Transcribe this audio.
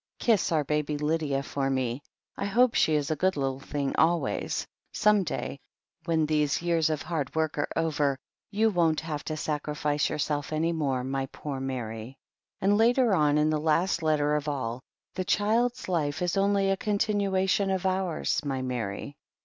"Kiss our baby Lydia for me. I hope she is a good little thing always .•• some day, when these years of 2 THE HEEL OF ACHILLES hard work are over, you won't have to sacrifice your self any more, my poor Mary. ..." And, later on, in the last letter of all: "The child's life is only a con tinuation of ours, my Mary."